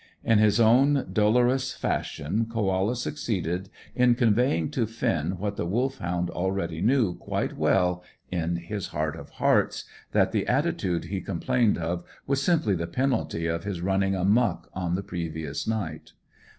In his own dolorous fashion Koala succeeded in conveying to Finn what the Wolfhound already knew quite well in his heart of hearts, that the attitude he complained of was simply the penalty of his running amuck on the previous night.